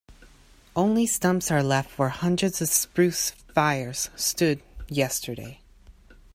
Only stumps are left where hundreds of spruce firs stood yesterday.